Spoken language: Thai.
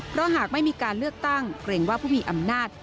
เพราะหากไม่มีการเลือกตั้งเกรงว่าผู้มีอำนาจ